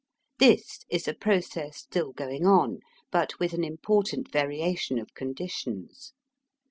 This is a process still going on, but with an important variation of conditions.